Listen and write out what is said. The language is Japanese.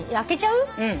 うん。